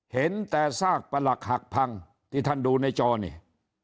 เห็นแต่ซากประหลักหักพังที่ท่านดูในจอนี่